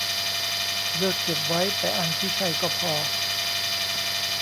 เลือกเก็บไว้แต่อันที่ใช่ก็พอ